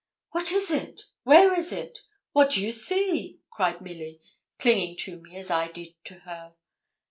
'What is it where is it what do you see?' cried Milly, clinging to me as I did to her.